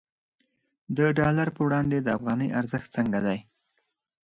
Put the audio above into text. د ډالر پر وړاندې د افغانۍ ارزښت څنګه دی؟